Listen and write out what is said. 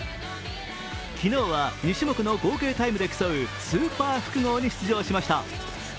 昨日は、２種目の合計タイムで競うスーパー複合に出場しました。